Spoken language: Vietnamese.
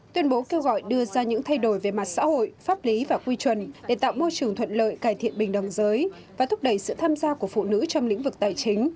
tuyên bố kêu gọi đưa ra những thay đổi về mặt xã hội pháp lý và quy chuẩn để tạo môi trường thuận lợi cải thiện bình đồng giới và thúc đẩy sự tham gia của phụ nữ trong lĩnh vực tài chính